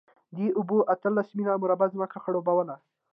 دې اوبو اتلس میله مربع ځمکه خړوبوله.